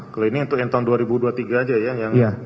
kalau ini untuk yang tahun dua ribu dua puluh tiga aja ya